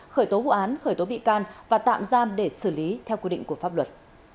khởi tố vụ án khởi tố bị can và tạm giam để xử lý theo quy định của pháp luật